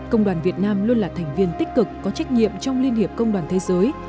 công đoàn việt nam luôn là thành viên tích cực có trách nhiệm trong liên hiệp công đoàn thế giới